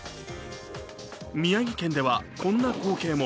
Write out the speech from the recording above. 宮城県ではこんな光景も。